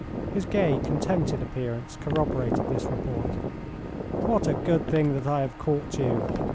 His gay, contented appearance corroborated this report. "What a good thing that I have caught you.